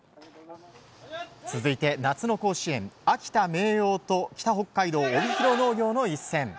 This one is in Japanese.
続いて、夏の甲子園秋田、明桜と北北海道、帯広農業の一戦。